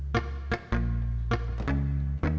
gak malahan sih